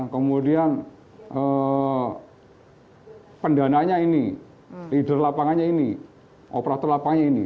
kemudian pendananya ini leader lapangannya ini operator lapangannya ini